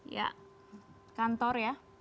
ya kantor ya